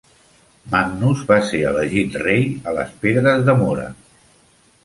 Magnus va ser elegit rei a les Pedres de Mora.